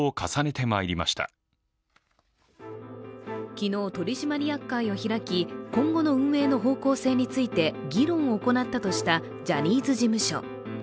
昨日、取締役会を開き今後の運営の方向性について議論を行ったとしたジャニーズ事務所。